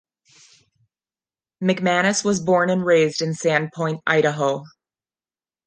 McManus was born and raised in Sandpoint, Idaho.